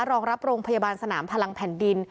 รองรับโรงพยาบาลสนามพลังแผ่นดิน